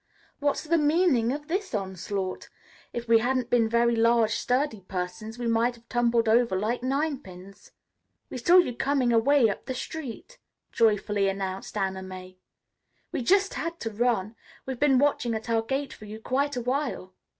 "What's the meaning of this onslaught? If we hadn't been very large, sturdy persons we might have tumbled over like nine pins." "We saw you coming away up the street," joyfully announced Anna May. "We just had to run. We've been watching at our gate for you quite a while."